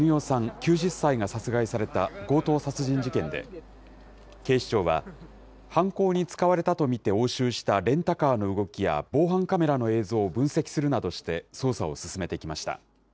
９０歳が殺害された強盗殺人事件で、警視庁は犯行に使われたと見て押収したレンタカーの動きや、防犯カメラの映像を分析するなどして、捜査を進めてきました。